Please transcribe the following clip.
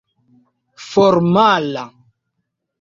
formala